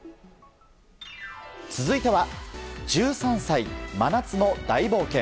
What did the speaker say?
続いては「１３歳、真夏の大冒険」。